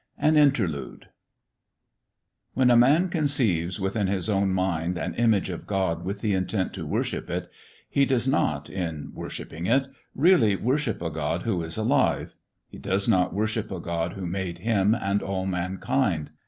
AN INTERLUDE WHEN a man conceives within his own mind an image of God with the intent to worship it, he does not, in worshipping it, really worship a God who is alive; he does not worship a God who made him and all mankind.